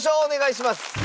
お願いします。